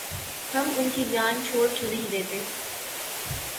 ہم ان کی جان چھوڑ کیوں نہیں دیتے؟